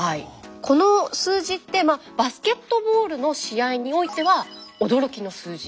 この数字ってバスケットボールの試合においては驚きの数字。